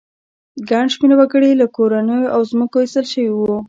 ګڼ شمېر وګړي له کورونو او ځمکو ایستل شوي وو